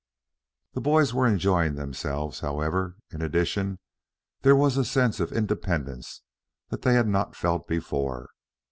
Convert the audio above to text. The boys were enjoying themselves, however; in addition, there was a sense of independence that they had not felt before.